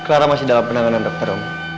clara masih dalam penanganan dokter